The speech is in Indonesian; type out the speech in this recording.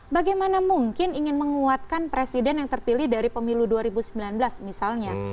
bagaimana mungkin ingin menguatkan presiden yang terpilih dari pemilu dua ribu sembilan belas misalnya